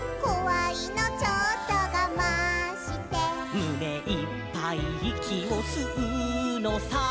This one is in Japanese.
「むねいっぱいいきをすうのさ」